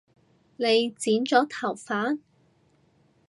你剪咗頭髮？